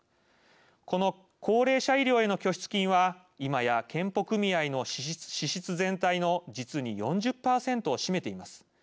この高齢者医療への拠出金は今や健保組合の支出全体の実に４０％を占めています。